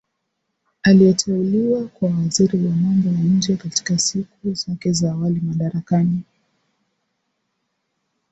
Aliteuliwa kuwa Waziri wa Mambo ya Nje katika siku zake za awali madarakani